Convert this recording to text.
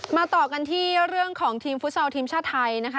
ต่อกันที่เรื่องของทีมฟุตซอลทีมชาติไทยนะคะ